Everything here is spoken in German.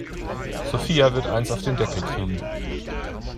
Sophia wird eins auf den Deckel kriegen.